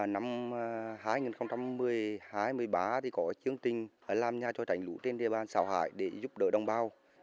năm hai nghìn hai mươi ba có chương trình làm nhà cho trành lũ trên địa bàn xào hải để giúp đỡ đồng bào